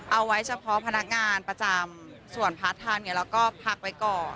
เอาไว้เฉพาะพนักงานประจำส่วนพาร์ทไทม์เราก็พักไว้ก่อน